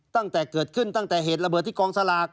ตั้งแต่เกิดขึ้นตั้งแต่เหตุระเบิดที่กองสลาก